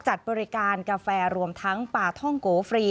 จัดบริการกาแฟรวมทั้งป่าท่องโกฟรี